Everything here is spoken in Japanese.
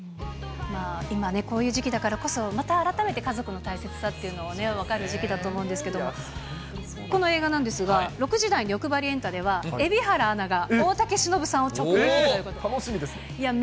今ね、こういう時期だからこそ、また改めて家族の大切さっていうのが分かる時期だと思うんですけれども、この映画なんですが、６時台によくばりエンタでは、蛯原アナが大竹しのぶさんを直撃ということで。